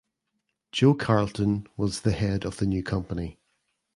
Joe Carlton was the head of the new company.